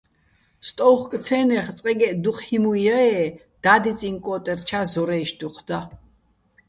სტო́უხკო̆-ცე́ნეხ წყეგეჸ დუჴ ჰიმუჲ ჲა-ე́ და́დიწიჼ კო́ტერჩა́ ზორაჲშ დუჴ და.